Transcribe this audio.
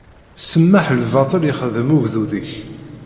Semmeḥ lbaṭel yexdem ugdud-ik!